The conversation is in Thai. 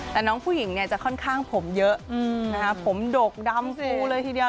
แต่น้องผู้หญิงเนี่ยจะค่อนข้างผมเยอะผมดกดำฟูเลยทีเดียว